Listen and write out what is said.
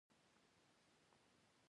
د بزګر علمي پوهه د زراعت کیفیت لوړوي.